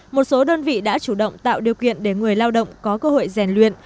một số đơn vị đã chủ động tạo điều kiện để người lao động có cơ hội rèn luyện